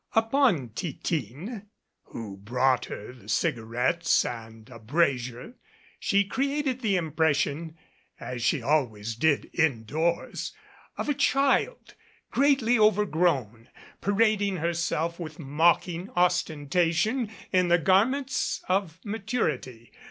Upon Titine, who brought her the cigarettes and a brazier, she created the impression as she always did indoors of a child, greatly overgrown, parading herself with mock ing ostentation in the garments of maturity.